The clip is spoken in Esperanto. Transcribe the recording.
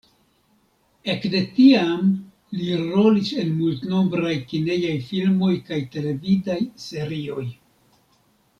Ekde tiam li rolis en multnombraj kinejaj filmoj kaj televidaj serioj.